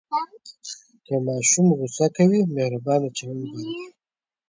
که ماشوم غوصه کوي، مهربانه چلند غوره کړئ.